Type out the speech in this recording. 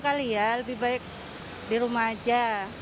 jadi ya lebih baik di rumah aja